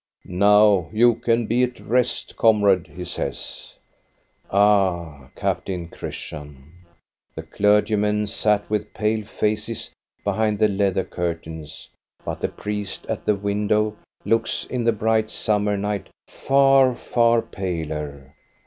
" Now you can be at rest, comrade," he says. Ah, Captain Christian, the clergymen sat with pale faces behind the leather curtains, but the priest at the window looks in the bright summer night far, far paler.